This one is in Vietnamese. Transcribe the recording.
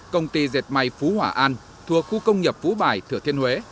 công ty dệt may phú hỏa an thuộc khu công nghiệp phú bài thừa thiên huế